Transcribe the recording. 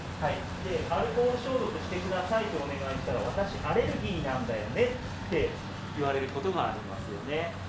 アルコール消毒してくださいとお願いしたら、私、アレルギーなんだよねって言われることがありますよね。